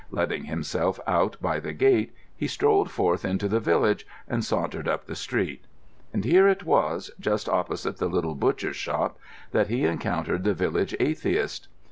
Letting himself out by the gate, he strolled forth into the village and sauntered up the street. And here it was, just opposite the little butcher's shop, that he encountered the village atheist.